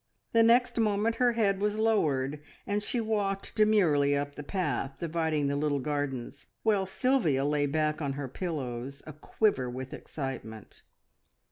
The next moment her head was lowered, and she walked demurely up the path dividing the little gardens, while Sylvia lay back on her pillows a quiver with excitement.